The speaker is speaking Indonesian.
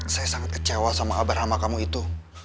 saya sangat kecewa sama abah rahma kamu itu